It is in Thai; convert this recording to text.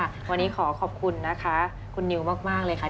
วันนี้ขอขอบคุณนะคะคุณนิวมากเลยค่ะ